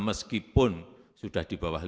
meskipun sudah di bawah